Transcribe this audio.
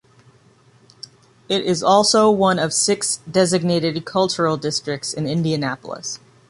It is also one of six designated cultural districts in Indianapolis.